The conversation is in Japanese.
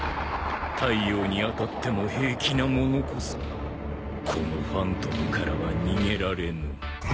太陽に当たっても平気なものこそこのファントムからは逃げられぬ。